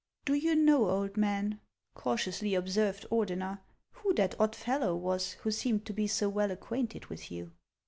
" Do you know, old man," cautiously observed Ordener, " who that odd fellow was, who seemed to be so well acquainted with you